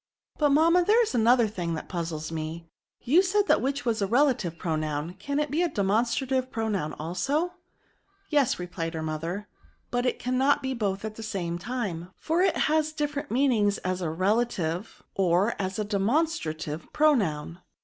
'^ But, manuna, there is another thing that puzzles me ; you said that which was a re lative pronoun, can it be a demonstrative pronoun also ?"" Yes," replied her mother ;" but it cannot be both at the same time, for it has different meanings as a relative, or as a demonstrative pronoun.